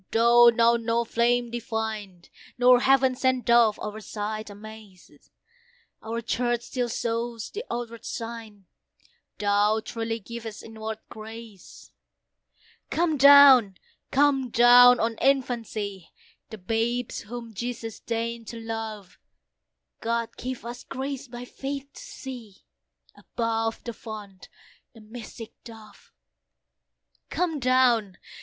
though now no flame divine, Nor heaven sent Dove, our sight amaze; Our Church still shows the outward sign, Thou truly givest inward grace. Come down! come down! on infancy, The babes whom Jesus deign'd to love; God give us grace by faith to see, Above the Font, the mystic Dove. Come down!